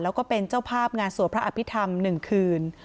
แล้วก็เป็นเจ้าภาพงานสวดพระอภิษฐรรม๑คืน